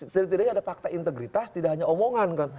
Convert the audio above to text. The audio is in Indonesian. setidaknya ada fakta integritas tidak hanya omongan kan